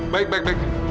baik baik baik